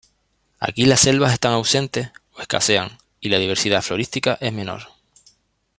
Aquí las selvas están ausentes o escasean, y la diversidad florística es menor.